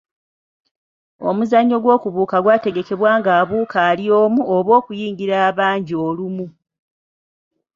Omuzannyo gw'okubuuka gwategekebwa ng’abuuka ali omu oba okuyingira abangi olumu.